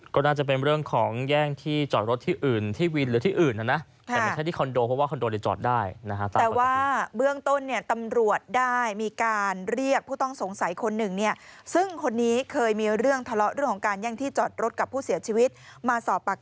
ก็น่าจะเป็นเรื่องของแย่งที่จอดรถที่อื่นที่วินหรือที่อื่นนะครับแต่ไม่ใช่ที่คอนโดเพราะว่าคอนโดได้จอดได้นะครับแต่ว่าเบื้องต้นเนี่ยตำรวจได้มีการเรียกผู้ต้องสงสัยคนหนึ่งเนี่ยซึ่งคนนี้เคยมีเรื่องทะเลาะเรื่องที่สุดไปฟังเสียงของชาวบ้านในพื้นที่สุดไปฟังเสียงของชาวบ้านในพื้นที่สุดไปฟัง